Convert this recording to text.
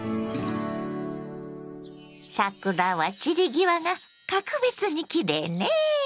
桜は散り際が格別にきれいね！